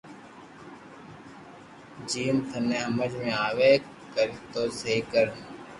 جيم ٿني ھمج مي آوي ڪر تو سھي ڪر